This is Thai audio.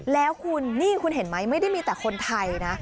แล้วคุณนี่คุณเห็นไหมไม่ได้มีแต่คนไทยนะ